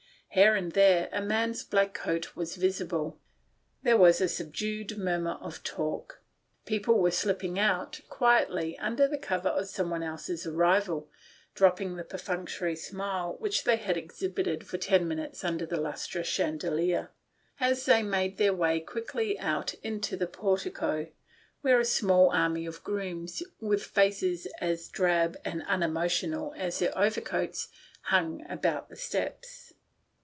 Here and there a man's black coat was visible. There was a subdued mur mur of talk. People were slipping out quietly under cover of someone else's arrival, dropping the perfunctory smile which they had exhibited for ten minntes under the lustre chandelier, as they made their way quickly out into the portico, where a small army of grooms, with faces as drab and un emotional as their overcoats, hung about the steps.